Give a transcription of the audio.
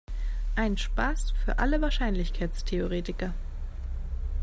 Ein Spaß für alle Wahrscheinlichkeitstheoretiker.